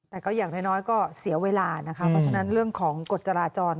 แต่ก็อย่างน้อยก็เสียเวลานะคะเพราะฉะนั้นเรื่องของกฎจราจร